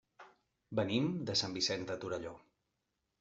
Venim de Sant Vicenç de Torelló.